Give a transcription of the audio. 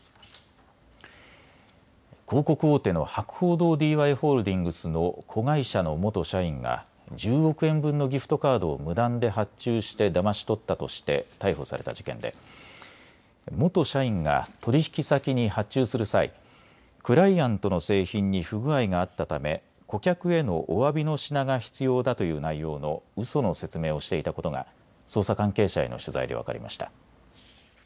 広告大手の博報堂ＤＹホールディングスの子会社の元社員が１０億円分のギフトカードを無断で発注してだまし取ったとして逮捕された事件で元社員が取引先に発注する際、クライアントの製品に不具合があったため顧客へのおわびの品が必要だという内容のうその説明をしていたことが捜査関係者への取材で分かりました。